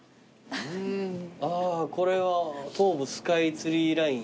ああこれは東武スカイツリーライン。